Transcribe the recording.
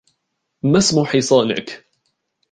ما اسم حصانك؟